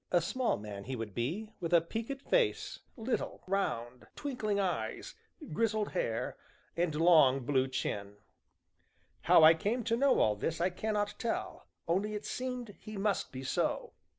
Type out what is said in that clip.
A small man, he would be, with a peaked face, little, round, twinkling eyes, grizzled hair, and a long, blue chin. How I came to know all this I cannot tell, only it seemed he must be so.